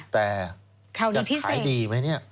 แต่จะขายดีไหมเนี่ย